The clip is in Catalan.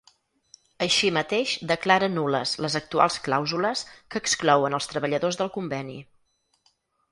Així mateix declara nul·les les actuals clàusules que exclouen els treballadors del conveni.